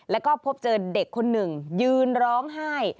แล้วก็พบเจอเด็กคนหนึ่งยืนร้องไห้